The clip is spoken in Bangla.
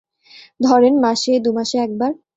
ধরেন মাসে, দুমাসে একবার।